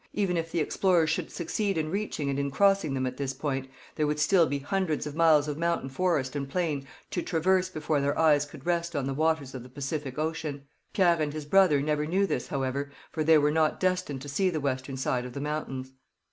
Even if the explorers should succeed in reaching and in crossing them at this point, there would still be hundreds of miles of mountain forest and plain to traverse before their eyes could rest on the waters of the Pacific ocean. Pierre and his brother never knew this, however, for they were not destined to see the western side of the mountains.